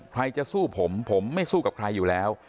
ใครจะสู้ผมผมไม่สู้กับใครอยู่แล้ว